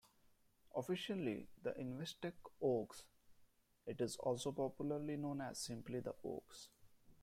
Officially the Investec Oaks, it is also popularly known as simply The Oaks.